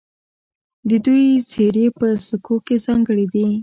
د دوی څیرې په سکو کې ځانګړې دي